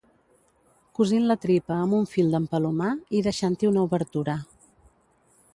cosint la tripa amb un fil d'empalomar i deixant-hi una obertura